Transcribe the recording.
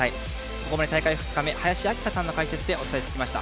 ここまで大会２日目、林享さんの解説でお伝えしてきました。